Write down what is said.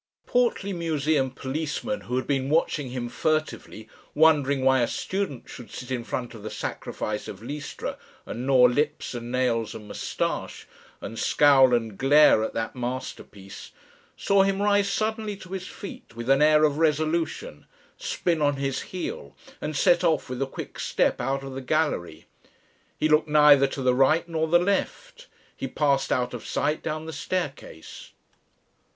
The portly museum policeman who had been watching him furtively, wondering why a student should sit in front of the "Sacrifice of Lystra" and gnaw lips and nails and moustache, and scowl and glare at that masterpiece, saw him rise suddenly to his feet with an air of resolution, spin on his heel, and set off with a quick step out of the gallery. He looked neither to the right nor the left. He passed out of sight down the staircase.